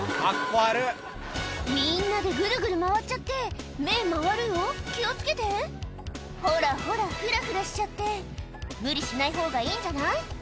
悪みんなでぐるぐる回っちゃって目回るよ気を付けてほらほらふらふらしちゃって無理しないほうがいいんじゃない？